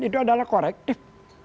itu adalah korektif